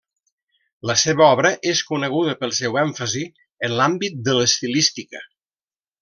La seva obra és coneguda pel seu èmfasi en l'àmbit de l'estilística.